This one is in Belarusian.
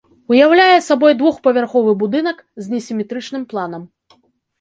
Уяўляе сабой двухпавярховы будынак, з несіметрычным планам.